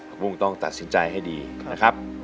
กุ้งต้องตัดสินใจให้ดีนะครับ